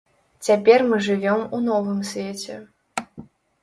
Цяпер мы жывём у новым свеце.